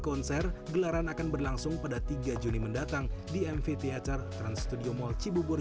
konser gelaran akan berlangsung pada tiga juni mendatang di mv teater trans studio mall cibubur